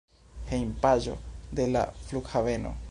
Hejmpaĝo de la flughaveno.